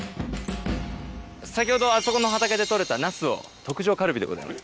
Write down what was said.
先ほどあそこの畑で取れたナスを、特上カルビでございます。